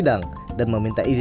dpr ri puan maharani